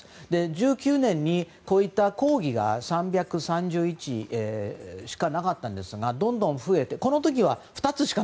１９年に、こういった講義が３３１しかなかったんですがどんどん増えて